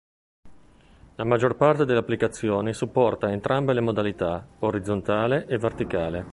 La maggior parte delle applicazioni supporta entrambe le modalità, orizzontale e verticale.